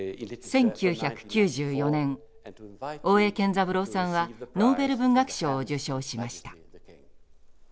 １９９４年大江健三郎さんはノーベル文学賞を受賞しました。